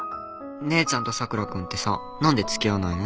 姉ちゃんと佐倉君ってさ何で付き合わないの？